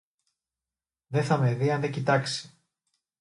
Δεν θα με δει αν δεν κοιτάξει.